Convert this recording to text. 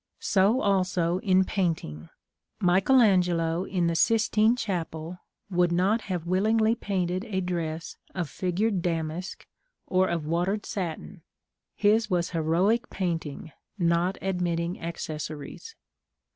So also in painting: Michael Angelo, in the Sistine Chapel, would not have willingly painted a dress of figured damask or of watered satin; his was heroic painting, not admitting accessories.